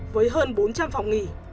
với hơn bốn trăm linh phòng nghỉ